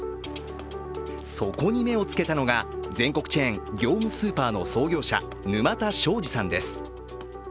そこに目をつけたのが全国チェーン、業務スーパーの創業者、沼田昭二さんです。